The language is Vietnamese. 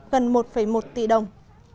cần một một tỷ đồng